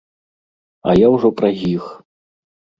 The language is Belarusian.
А я ўжо праз іх.